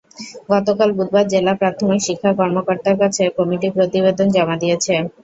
গতকাল বুধবার জেলা প্রাথমিক শিক্ষা কর্মকর্তার কাছে কমিটি প্রতিবেদন জমা দিয়েছে।